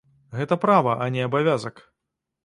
Гэта права, а не абавязак.